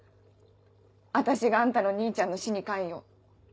私があんたの兄ちゃんの死に関与。